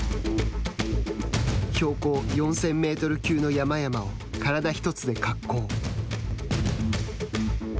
標高４０００メートル級の山々を体一つで滑降。